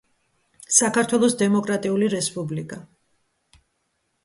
საქართველოს დამოკრატიული რესპუბლიკა